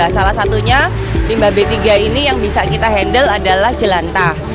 salah satunya limbah b tiga ini yang bisa kita handle adalah jelantah